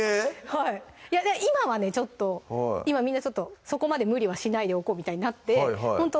はい今はねちょっと今みんなちょっとそこまで無理はしないでおこうみたいになってほんと